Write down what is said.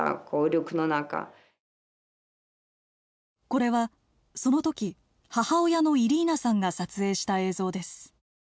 これはその時母親のイリーナさんが撮影した映像です。